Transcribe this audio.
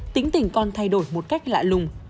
tính tình con thay đổi một cách lạ lùng